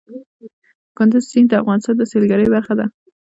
کندز سیند د افغانستان د سیلګرۍ برخه ده.